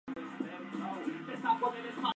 Y lo hiciste sin herir a ninguno de ellos.